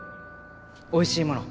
おいしいもの